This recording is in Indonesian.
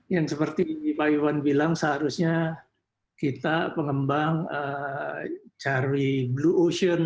yang seperti pak iwan bilang seharusnya kita pengembang cari blue ocean